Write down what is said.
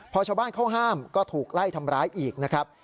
พอชาวบ้านเขาห้ามก็ถูกไล่ทำร้ายอีกนะครับ